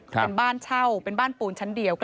เป็นบ้านเช่าเป็นบ้านปูนชั้นเดียว